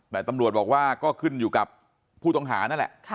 แต่ตำรวจบอกว่าก็ขึ้นอยู่กับผู้ต้องหานั่นแหละ